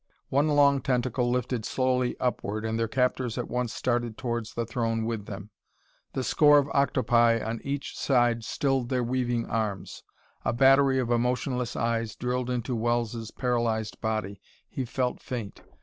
One long tentacle lifted slowly upward, and their captors at once started towards the throne with them. The score of octopi on each side stilled their weaving arms. A battery of emotionless eyes drilled into Wells' paralyzed body. He felt faint.